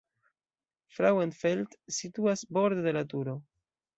Frauenfeld situas borde de la Turo.